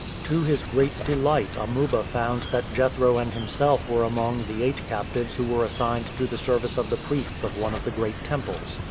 To his great delight Amuba found that Jethro and himself were among the eight captives who were assigned to the service of the priests of one of the great temples.